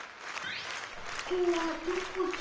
ここはどこじゃ？